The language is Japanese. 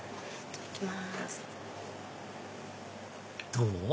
どう？